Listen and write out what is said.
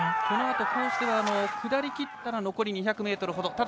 このあと、コースは下りきったら残り２００ｍほど。